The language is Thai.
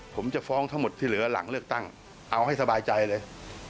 ผมจะฟ้องทั้งหมดที่เหลือหลังเลือกตั้งเอาให้สบายใจเลย